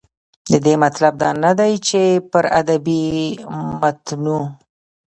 د دې مطلب دا نه دى، چې پر ادبي متونو